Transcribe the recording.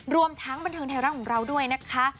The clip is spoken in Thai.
รวมทั้งบันเทิงไทยรัฐของเราด้วยนะคะ